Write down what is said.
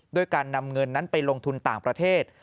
ด้วยการนำเงินนั้นไปลงทุนต่างประเทศ